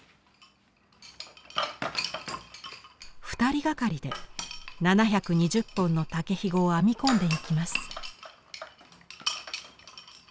２人がかりで７２０本の竹ひごを編み込んでいきます。